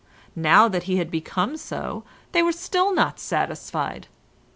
Now that he had become so they were still not satisfied.